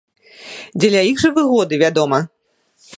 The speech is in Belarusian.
Дзеля іх жа выгоды, вядома.